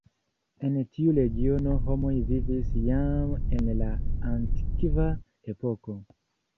En tiu regiono homoj vivis jam en la antikva epoko.